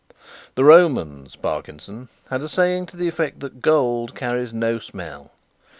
"The Romans, Parkinson, had a saying to the effect that gold carries no smell.